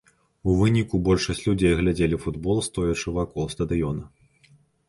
У выніку большасць людзей глядзелі футбол, стоячы вакол стадыёна.